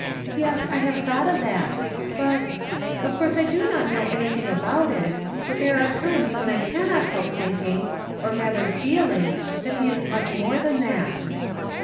"Yes, I have thou^dit of that; but— of course F do not know anythiii,<r ahout it, but then; are times when I cannot help thinkintr, or rather feel in<r, that he is mudi more than that."